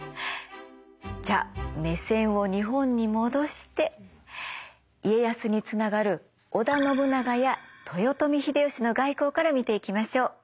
じゃあ目線を日本に戻して家康につながる織田信長や豊臣秀吉の外交から見ていきましょう。